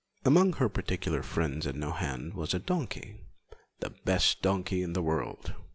Among her particular friends at Nohant was a donkey the best donkey in the world.